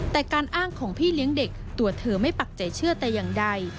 แต่การอ้างของพี่เลี้ยงเด็กตัวเธอไม่ปักใจเชื่อแต่อย่างใด